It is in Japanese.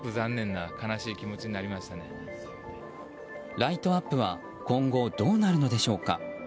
ライトアップは今後どうなるのでしょうか。